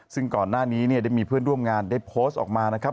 ซึ่งก่อนหน้านี้ได้มีเพื่อนร่วมงานได้โพสต์ออกมานะครับ